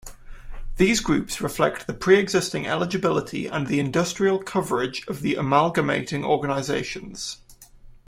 These groups reflect the pre-existing eligibility and industrial coverage of the amalgamating organisations.